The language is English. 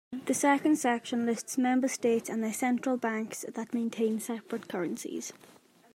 The second section lists member states and their central banks that maintain separate currencies.